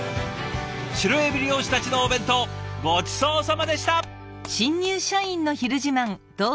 シロエビ漁師たちのお弁当ごちそうさまでした！